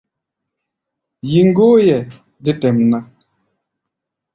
Yí-goeʼɛ dé tɛʼm ná.